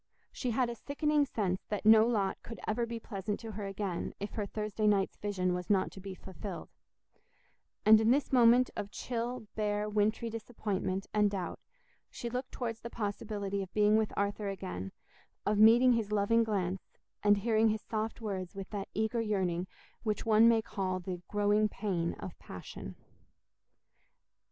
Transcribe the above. She had a sickening sense that no lot could ever be pleasant to her again if her Thursday night's vision was not to be fulfilled; and in this moment of chill, bare, wintry disappointment and doubt, she looked towards the possibility of being with Arthur again, of meeting his loving glance, and hearing his soft words with that eager yearning which one may call the "growing pain" of passion.